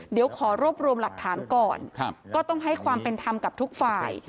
เดี๋ยวขอรวบรวมหลักฐานก่อนก็ต้องให้ความเป็นธรรมกับทุกฝ่าย